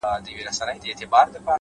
علم د ژوند معنا روښانه کوي؛